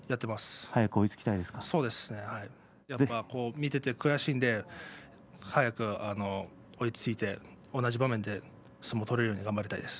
見ていて悔しいので早く追いついて同じ場面で相撲を取ることができるように頑張りたいです。